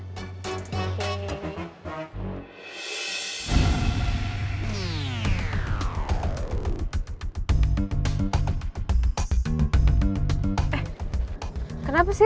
eh kenapa sih